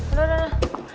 aduh aduh aduh